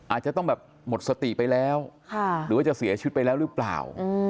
อาจจะต้องแบบหมดสติไปแล้วหรือว่าจะเสียชีวิตไปแล้วหรือเปล่า